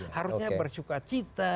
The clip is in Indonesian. harusnya bersuka cita